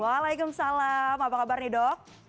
waalaikumsalam apa kabar nih dok